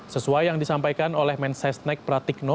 sesuai yang disampaikan oleh mensesnek pratikno